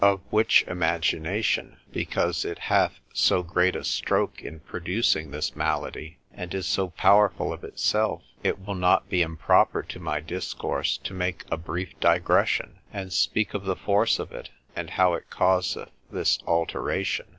Of which imagination, because it hath so great a stroke in producing this malady, and is so powerful of itself, it will not be improper to my discourse, to make a brief digression, and speak of the force of it, and how it causeth this alteration.